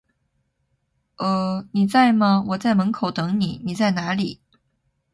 呃…你在吗，我在门口等你，你在哪里？